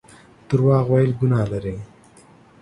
درواغ ويل ګناه لري